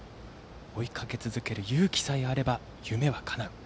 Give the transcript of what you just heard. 「追いかけ続ける勇気さえあれば夢はかなう」。